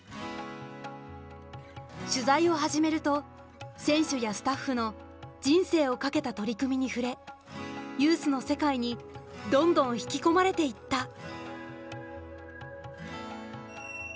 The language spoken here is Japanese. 取材を始めると選手やスタッフの人生を懸けた取り組みに触れユースの世界にどんどん引き込まれていった。